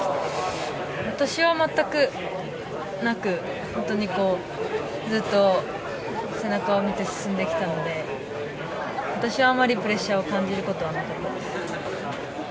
私は全くなくずっと背中を見て進んできたので私はあまりプレッシャーを感じることはなかったです。